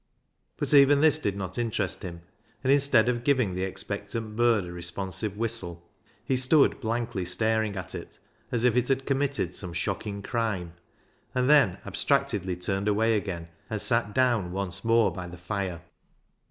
But even this did not interest him, and instead of giving the expectant bird a responsive whistle, he stood blankly staring at it, as if it had committed some shocking crime, and then abstractedly turned away again and sat down once more by the fire.